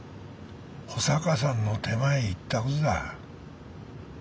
保坂さんの手前言ったことだ。